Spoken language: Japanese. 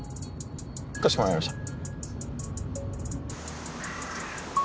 かしこまりました。